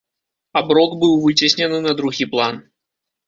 Аброк быў выцеснены на другі план.